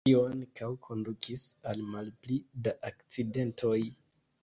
Tio ankaŭ kondukis al malpli da akcidentoj.